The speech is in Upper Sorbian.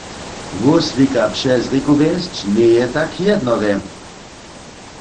Wóslika přez rěku wjesć, njeje tak jednorje.